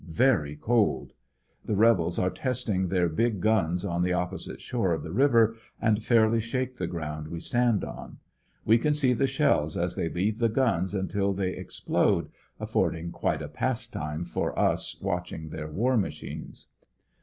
Yery cold. The rebels are testin^i their bii^ tuns on the opposite shore of the river and fairly shake the ground we stand on. We can see the shells as they leave the ^uns until thev explode, affordiut* quite a pastime for us watching their war machines.